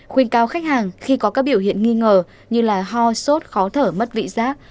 khuyên cáo khách hàng khi có các biểu hiện nghi ngờ như ho sốt khó thở mất vị giác